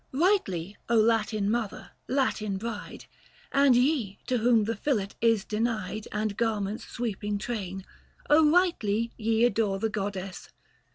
Rightly, Latin mother, Latin bride, And ye, to whom the fillet is denied And garments' sweeping train ; rightly ye Adore the goddess.